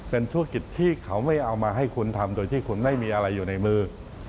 เป็นธุรกิจที่เขาไม่เอามาให้คุณทำโดยที่คุณไม่มีอะไรอยู่ในมือ